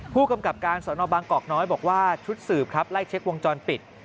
ผู้กำกับการสอนอบางกอกน้อยบอกว่าชุดสืบครับไล่เช็ควงจรปิด